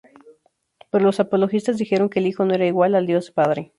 Pero los apologistas dijeron que el Hijo no era igual a Dios Padre.